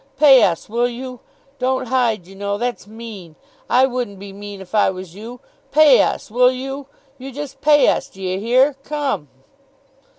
Pay us, will you? Don't hide, you know; that's mean. I wouldn't be mean if I was you. Pay us, will you? You just pay us, d'ye hear? Come!